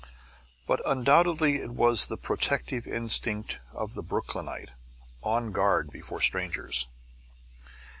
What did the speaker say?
But undoubtedly it was the protective instinct of the Brooklynite, on guard before strangers.